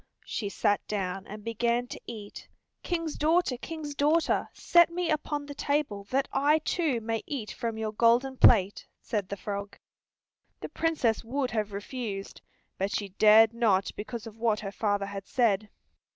She sat down and began to eat. "King's daughter, King's daughter, set me upon the table that I too may eat from your golden plate," said the frog. The Princess would have refused, but she dared not because of what her father had said.